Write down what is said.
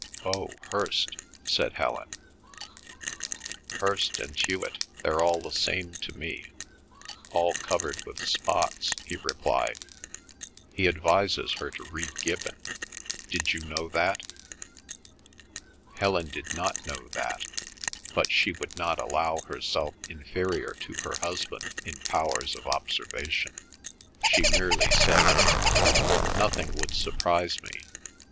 "Oh, Hirst," said Helen. "Hirst and Hewet, they're all the same to me—all covered with spots," he replied. "He advises her to read Gibbon. Did you know that?" Helen did not know that, but she would not allow herself inferior to her husband in powers of observation. She merely said: "Nothing would surprise me.